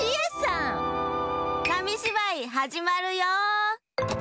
かみしばいはじまるよ！